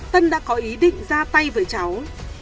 tân đã có ý định ra tay với cháu